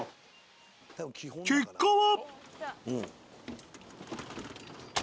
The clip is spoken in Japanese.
結果は。